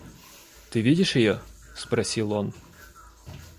Ты видишь ее? — спросил он.